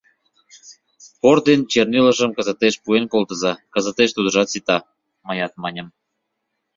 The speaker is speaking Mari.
Пор ден чернилажым кызытеш пуэн колтыза, кызытеш тудыжат сита, — мыят маньым.